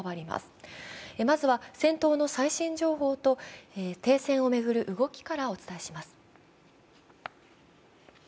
まずは戦闘の最新情報と停戦を巡る動きからお伝えします。